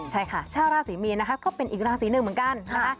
ใช่ค่ะชาวราศรีมีนนะคะก็เป็นอีกราศีหนึ่งเหมือนกันนะคะ